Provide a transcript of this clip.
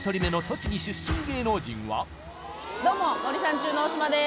まずどうも森三中の大島です